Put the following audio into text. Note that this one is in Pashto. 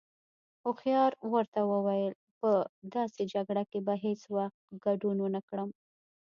هوښيار ورته وويل: په داسې جگړه کې به هیڅ وخت گډون ونکړم.